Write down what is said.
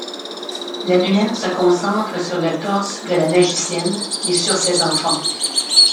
La lumière se concentre sur le torse de la magicienne et sur ses enfants.